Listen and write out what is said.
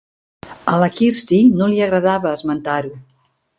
A la Kirsty no li agradava esmentar-ho.